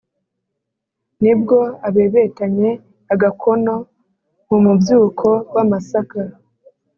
ni bwo abebetanye agakono no mu mu mubyuko w'amasaka